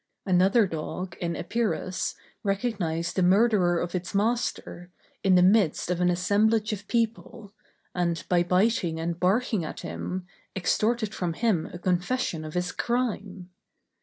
Another dog, in Epirus, recognized the murderer of its master, in the midst of an assemblage of people, and, by biting and barking at him, extorted from him a confession of his crime.